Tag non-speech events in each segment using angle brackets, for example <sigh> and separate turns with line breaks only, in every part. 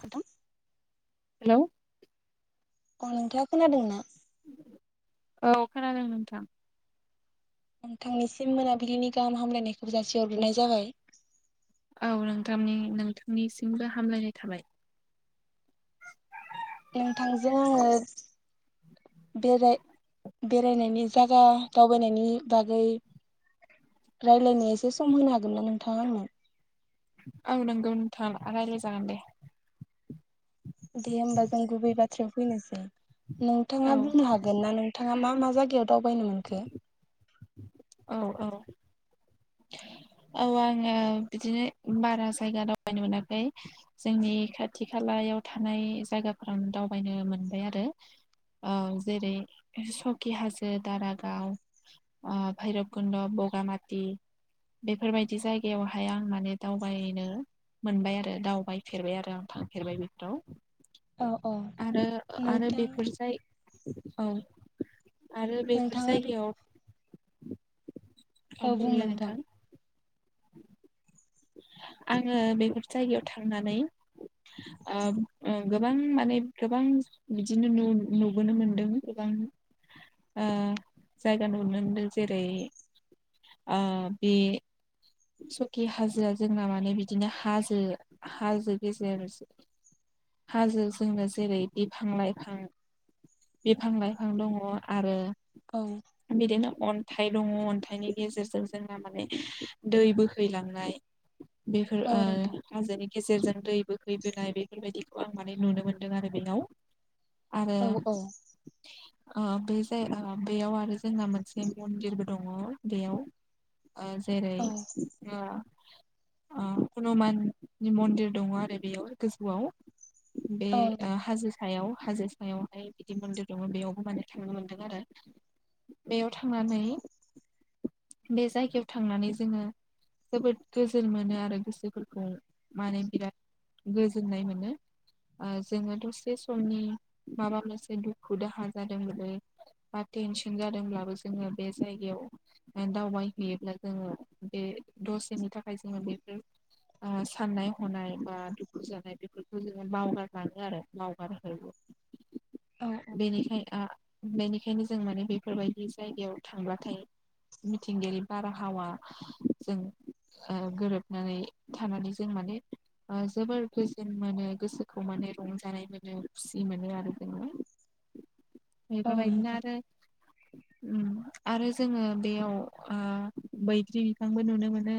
खथं
hello
औ नोंथाङा खोनादोंना?
औ खोनादों नोंथां।
नोंथांनिसिम मोनाबिलिनि गाहाम हामलायनायखौबो जासि हरग्रोनाय जाबाय।
औ रोंथामनि नोंथांनिसिमबो हामलायनाय थाबाय।
नोंथांजों आङो बेराय बेरायनायनि जगा दावबायनायनि बागै रायलायनो एसे सम होनो हागोन ना नोंथाङा आंनो?
औ नोंगौ नोंथां राय्लाय जागोन दे।
दे होमबा जों गुबै बाथ्रायाव फैनोसै
औ
नोंथाङा बुंनो हागोन ना नोंथाङा मा? मा जायगायाव दावबायनो मोनखो
औ औ
<inaudible>
औ आङो बिदिनो बारा जायगा दावबायनो मोनाखै जोंनि खाथि खाला याव थानाय जागाफोरावनो दावबायनो मोनबाय आरो औ जेरै सकि हाजो दारागाव ओ भैरब कुन्द' बगामाति बेफोरबायदि जायगायावहाय आं माने दावबायनो मोनबाय आरो दावबायफेरबाय आरो आं थांफेरबाय बेफोराव
औ औ
आरो आरो
नोंथां
बेफोर जाय औ आरो बेफोर
नोंथाङा बे
जायगायाव अ
औ बुं
बुंला
नोंथां
नोथां आङो बेफोर जायगायाव थांनानै अ ओं गोबां माने गोबां बिदिनो नुन नुबोनो मोनदों गोबां
<inaudible>
ओ जायगा नुदों जेरै आ बे। सखि हाजोआ जोंना माने बिदिनो हाजो-हाजो गेजेर आरो। हाजो जोंनो जेरै बिफां-लाइफां। बिफां-लाइफां दङो आरो।
औ
बिदिनो अन्थाइ दङ अन्थाइनि गेजेरजों जोंना माने। दै बोखहैलांनाय बेफोर
औ
ओ
नोंथां
हाजोनि गेजेरजों दै। बोहैबोनाय बेफोरबायदिखौ आं माने नुनो मोनदों आरो बेयाव। आरो
औ औ
ओ बे जाय ओ बेयाव आरो जोंना मोनसे मन्दिरबो दङ बेयाव। अ जेरै
औ
ओ। ओ हनुमाननि मन्दिर दङ आरो बेयाव गोजौआव। बे
औ नोंथां
हाजो सायाव। हाजो सायावहाय बिदि मन्दिर दङ बेयावबो माने थांनो मोनदों आरो। बेयाव थांनानै बे जायगायाव थांनानै जोङो। जोबोद गोजोन मोनो आरो गोसोफोरखौ माने बिराद। गोजोननाय मोनो। ओ जोङो दसे समनि माबा मोनसे दुखु दाहा जादोंमोनलै। बा टेनसन जादोंब्लाबो जोङो बे जायगायाव दावबायहैयोब्ला जोङो। बे दसेनि थाखाय जोङो बेफोर। ओ साननाय-हनाय बा दुखु जानाय बेफोरखौ जोङो बावगारलाङो आरो बावगारहोयो।
औ औ
बेनिखायनो आ। बेनिखायनो जों माने बेफोरबायदि जायगायाव थांब्लाथाय। मिथिंगायारि बारहावा जों। ओ गोरोबनानै थानानै जों माने। ओ जोबोर गोजोन मोनो गोसोखौ माने रंजानाय मोनो, खुसि मोनो आरो जोङो।
<inaudible>
बेफोर
औ
बायदिनो
नोंथां
आरो। ओम आरो जोङो बेयाव ओ बैग्रि। बिफांबो नुनो मोनो।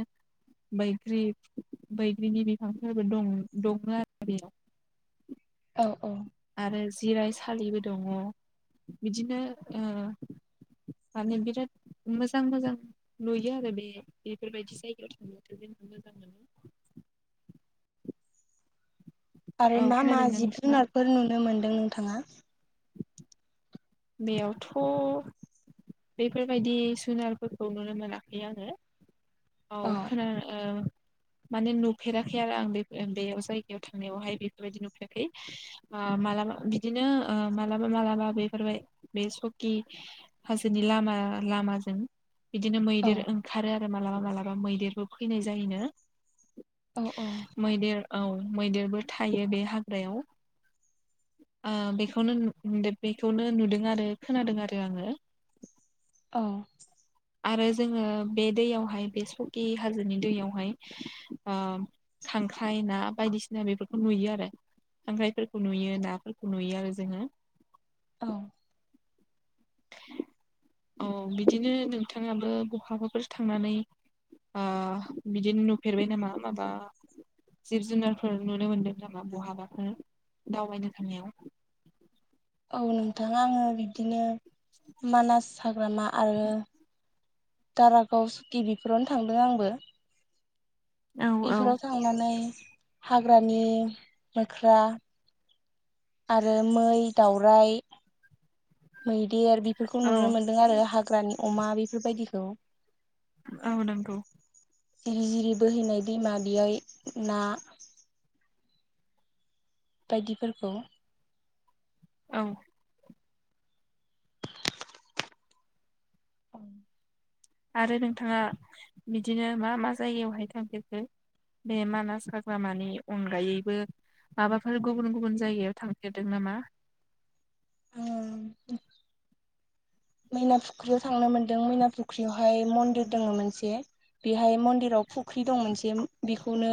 बैग्रि-बैग्रिनि बिफांफोरबो दं दङो आरो बेयाव।
औ औ
आरो जिराय सालिबो। दङ' बिदिनो। माने बिराद मोजां-मोजां नुयो आरो बे। बेफोरबायदि जायगायाव थांब्लाथ' जों मोजां मोनो।
आरो
औ
मा-मा
खोनादोंना नोंथाङा
जिब-जुनारफोर नुनो मोनदों नोंथाङा?
बेयावथ'। बेफोरबायदि जुनारफोरखौ नुनो मोनाखै आङो। औ खोनानो ओ।
<inaudible>
माने नुफेराखै आरो आं बे-बे जायगायाव थांनायावहाय बेफोरबायदि नुफेराखै मालाबा। बिदिनो ओ मालाबा-मालाबा बेफोरबाय बे सकि हाजोनि लामा। लामाजों बिदिनो
औ
मैदेर ओंखारो आरो मालाबा-मालाबा मैदेरबो फैनाय जायोनो।
अ-अ!
मैदेर औ मैदेरबो थायो बे हाग्रायाव। ओ बेखौनो नुदो-बेखौनो नुदों आरो खोनादों आरो आङो।
अ!
आरो जोङो बे दैयावहाय बे सकि हाजोनि दैयावहाय ओ। खांख्राइ ना बायदिसिना बेफोरखौ नुयो आरो। खांख्राइफोरखौ नुयो, नाफोरखौ नुयो आरो जोङो।।
<inaudible>
औ बिदिनो नोंथाङाबो बहाबाफोर थांनानै। ओ बिदिनो नुफेरबाय नामा? माबा जिब-जुनारफोर नुनो मोनदों नामा बहाबाफोर दावबायनो थानायाव?
<inaudible> औ नोंथाङा आङो बिबदिनो मानास साग्रामा आरो दारागाव सुति बेफोरावनो थांदों आंबो
औ औ
बेफोराव थांनानै हाग्रानि मोख्रा आरो मै, दावराय मैदेर बेफोरखौ
औ
नुनो मोनदों आरो हाग्रानि अमा बेफोरबायदिखौ
औ नंगौ
जिरि जिरि बोहैनाय दैमा बेयैय ना बायदि फोरखौ
औ
<inaudible>
आरो नोंथाङा बिदिनो मा मा जायगायावहाय थांफेरखो? बे मानास हाग्रामानि अनगायैबो माबाफोर गुबुन गुबुन जायगायाव थांफेरदों नामा?
<unintelligible> मैना फुख्रियाव थांनो मोनदों मैना फुख्रियावहाय मन्दिर दङ मोनसे। बेहाय मन्दिराव फुख्रि दं मोनसे। बेखौनो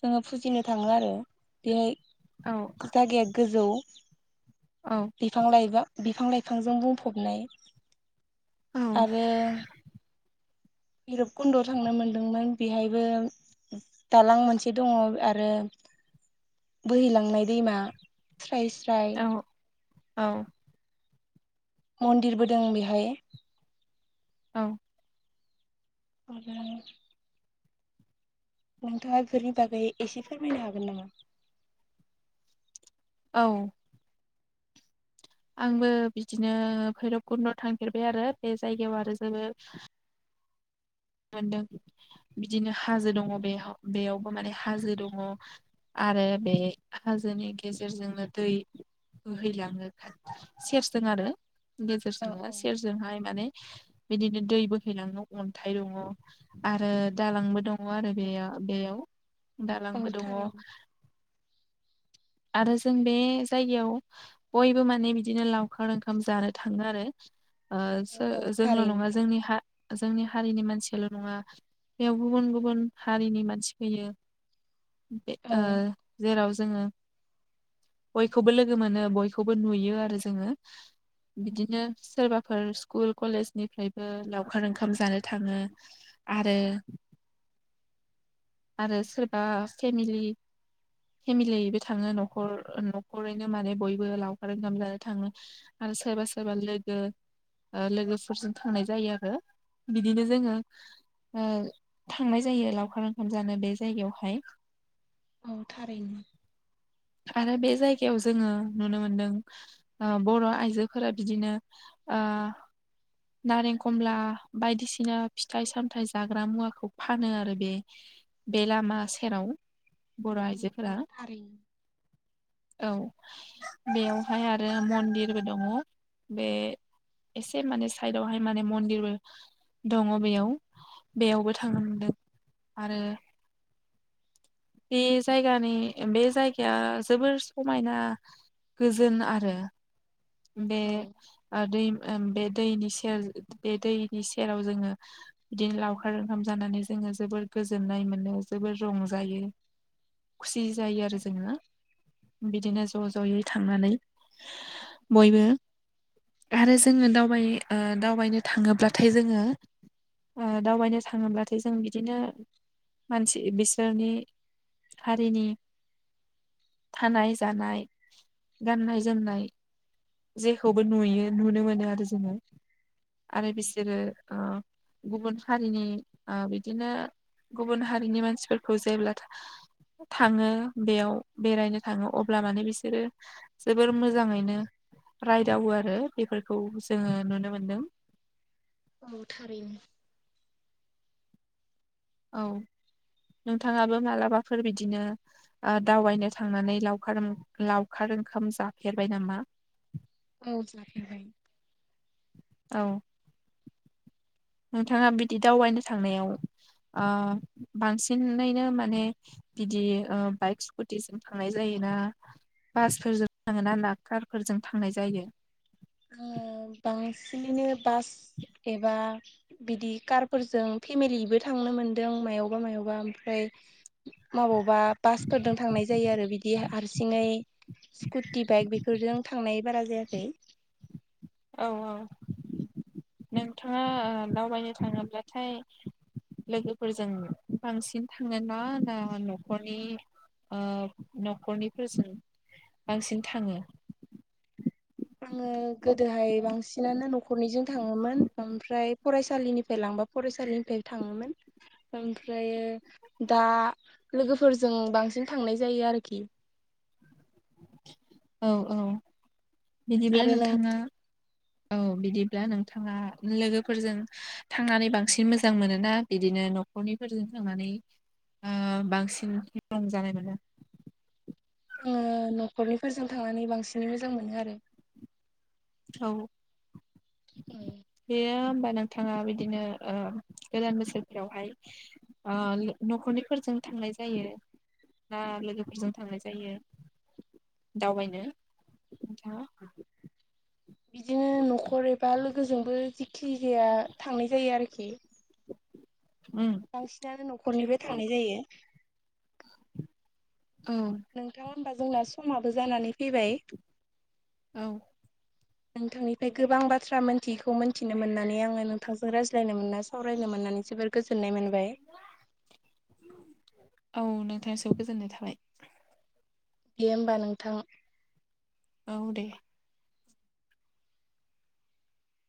जोङो फुजिनो थाङो आरो बेहाय
औ
जागाया गोजौ
औ
बिफां-लइबा बिफां-लाइफांजों बुंफबनाय
औ
आरो भैरबकुन्द'आव थांनो मोनदोंमोन बेहायबो दालां मोनसे दङ आरो बोहैलांनाय दैमा साय स्राय
औ औ
मन्दिरबो दं बेहाय
औ
<unintelligible> नोंथाङा बेफोरनि बागै एसे फोरमायनो हागोन नामा?
औ आंबो बिदिनो भैरबकुन्दआव थांफेरबाय आरो बे जायगायाव आरो जोबोद। मोनदों बिदिनो हाजो दङ बे हाव बेयावबो माने हाजो दङ। आरो बे हाजोनि गेजेरजोंनो दै बोहैलाङो सेफ्स द आरो गेजेरजों सेरजोंहाय माने बिदिनो दै बोहैलाङो अन्थाइ आयङ आरो दालांबो दङ आरो बेयाव बेयाव
औ
दालांबो दङ।
थारैनो <unintelligible>
आरो जों बे जायगायाव बयबो माने बिदिनो लावखार ओंखाम जानो थाङो आरो ओ सो
औ औ
जोंल' नङा
थारैनो
जोंनि ह जोंनि हारिनि मानसियाल' नङा बेयाव गुबुन गुबुन हारिनि मानसि फैयो। बे ओ जेराव। जोङो बयखौबो लोगो मोनो बयखौबो नुयो आरो जोङो।
औ
बिदिनो सोरबाफोर स्कुल कलेजनिफ्रायबो लावखार ओंखाम जानो थाङो आरो आरो सोरबा फेमिलि फेमिलिबो थाङो न'खर न'खरैनो माने बयबो लावखार ओंखाम जानो थाङो। आरो सोरबा सोरबा लोगो ओ लोगोफोरजों थांनाय जायो आरो। बिदिनो जोङो। ओ-थांनाय जायो लावखार ओंखाम जानो बे जायगायावहाय।
औ थारैनो।
आरो बे जायगायाव जोङो नुनो मोनदों ओ बर' आइजोफोरा बिदिनो ओ। नारें खमला बायदिसिना फिथाइ सामथाइ जाग्रा मुवाखौ फानो आरो बे बे लामा सेराव। बर'
औ
आइजोफोरा
औ थारै।
औ बेयावहाय आरो मन्दिरबो दङ। बे एसे माने साइदावहाय माने मन्दिरबो दङ बेयाव बेयावबो थांनो मोनदों आरो बे जायगानि ओ-बे जायगाया जोबोर समायना। गोजोन आरो बे
औ
ओ-दै ओं बे दैनि सेर बे दैनि सेराव जोङो बिदिनो लावखार ओंखाम जानानै जों। जोबोर गोजोननाय मोनो जोबोर रंजायो। खुसि जायो आरो
थारैनो
जोङो। बिदिनो ज' ज'यै थांनानै बयबो आरो जोङो दावबाय ओ- दावबायनो थाङोब्लाथाय जोङो ओ- दावबायनो थाङोब्लाथाय जों बिदिनो मानसि बिसोरनि हारिनि थानाय जानाय गाननाय जोमनाय जेखौबो नुयो नुनो मोनो आरो जोङो आरो बिसोरो ओ गुबुन हारिनि ओ- बिदिनो गुबुन हारिनि मानसिफोरखौ जेब्ला थाङो बेयाव बेरायनो थाङो अब्ला माने बिसोरो जोबोर मोजाङैनो। रायदावो आरो बेफोरखौ जोङो नुनो मोनदों।
औ थारैनो।
औ। नोंथाङाबो मालाबाफोर बिदिनो ओ-दावबायनो थांनानै लावखार लावखार ओंखाम जाफेरबाय नामा?
औ जाफ्लेबाय।
औ। नोंथाङा बिदि दावबायनो थांनायाव ओ-बांसिनैनो माने बिदि बाइक स्कुटिसिम थांनाय जायो। बा बासफोरजों थाङोना ना कारफोरजों थांनाय जायो?
आंङो बांसिनैनो बास एबा बिदि कारफोरजों फेमिलिबो थांनो मोनदों मायावबा मबा ओमफ्राय माबावबा बासफोरजों थांनाय जायो आरो बिदि हारसिङै स्कुटि बाइक बेफोरजों थांनाय बारा जायाखै।
औ औ नोंथाङा ओ-दावबायनो थाङोब्लाथाय लोगोफोरजों बांसिन थाङोना ना न'खरनि? ओ-न'खरनिफोरजों बांसिन थाङो?
आङो गोदोहाय बांसिनानो न'खरनिजों थाङोमोन ओमफ्राय फरायसालिनिफ्राय लांबा फरायसालिनिफ्राय थाङोमोन। ओमफ्रायो दा लोगोफोरजों बांसिन थांनाय जायो आरोखि। <inaudible>
औ औ बिदिब्ला
आरो नों
नोंथाङा औ बिदि नोंथाङा लोगोफोरजों थांनानै बांसिन मोजां मोनोना बिदिनो न'खरनिफोरजों- थांनानै ओ-बांसिन रंजानाय मोनो?
आङो न'खरनिफोरजों थांनानै बांसिनै मोजां मोनो आरो।
औ बेयो बा नोंथाङा बिदिनो ओ ओगोदान बोसोरफोरावहाय ओ न'खरनिफोरजों थां थांनाय जायो ना लोगोफोरजों थांनाय जायो? दावबायनो नोंथाङा?
बिदिनो न'खर एबा लोगोजोंबो जेखि जाया थांनाय जायो आरोखि।
उम
बांसिनानो न'खरनिफाय थांनाय जायो।
औ
नोंथां होनोमबा जोंना समाबो जानानै फैबाय।
औ
नोंथांनिफ्राय गोबां बाथ्रा मोन्थियैखौ मोनथिनो मोननानै आङो नोंथांजों रायज्लायनो मोनना सावरायनो मोननानै जोबोर गोजोननाय मोनबाय।
औ नोंथाङासो गोजोननाय थाबाय।
दे होम्बा नोंथां।
औ दे।